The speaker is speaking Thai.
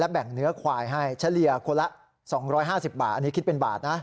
แบ่งเนื้อควายให้เฉลี่ยคนละ๒๕๐บาทอันนี้คิดเป็นบาทนะ